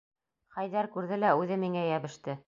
Хәйҙәр күрҙе лә үҙе миңә йәбеште.